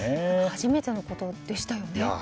初めてのことでしたよね。